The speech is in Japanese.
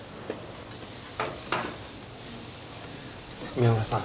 宮村さん。